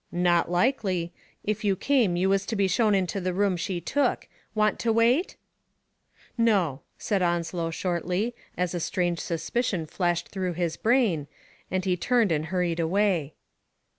'* "Not likely. If you came you was to be shown into the room she took. Want to wait?*' "No," said Onslow shortly, as a strange suspi cion flashed through his brain, and he turned and hurried away.